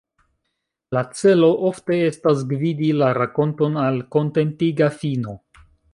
La celo ofte estas gvidi la rakonton al kontentiga fino.